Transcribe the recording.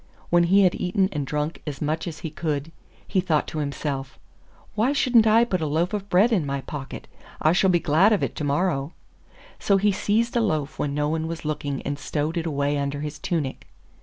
When he had eaten and drunk as much as he could he thought to himself, 'Why shouldn't I put a loaf of bread in my pocket? I shall be glad of it to morrow.' So he seized a loaf when no one was looking and stowed it away under his tunic.